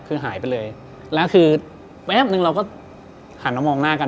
คือหายไปเลยแล้วคือแวบนึงเราก็หันมามองหน้ากัน